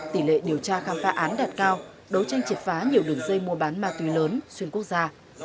tỷ lệ điều tra khám phá án đạt cao đấu tranh triệt phá nhiều đường dây mua bán ma túy lớn xuyên quốc gia